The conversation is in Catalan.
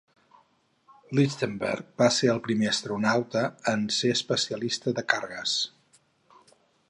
Lichtenberg va ser el primer astronauta en ser especialista de cargues.